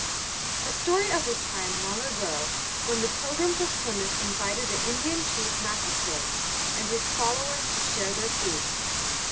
A story of the time long ago when the Pilgrims of Plymouth invited the Indian chief Massasoit and his followers to share their feast.